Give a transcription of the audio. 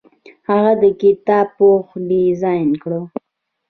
هغه د کتاب پوښ ډیزاین کړ.